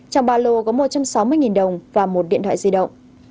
trong ba lô có một trăm sáu mươi đồng và một điện thoại di động